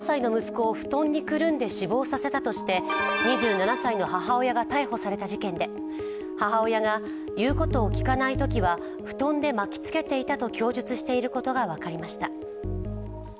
千葉県我孫子市で３歳の息子を布団にくるんで死亡させたとして２７歳の母親が逮捕された事件で母親が、言うことを聞かないときは布団で巻きつけていたと供述していることが分かりました。